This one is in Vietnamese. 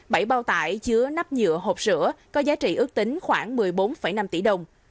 bảy bao tải chứa nắp nhựa hộp sữa có giá trị ước tính khoảng một mươi bốn năm tỷ đồng